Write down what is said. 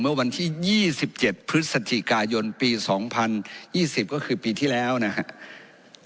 เมื่อวันที่๒๗พฤศจิกายนปี๒๐๒๐ก็คือปีที่แล้วนะครับ